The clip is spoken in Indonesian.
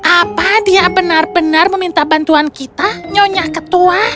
apa dia benar benar meminta bantuan kita nyonya ketua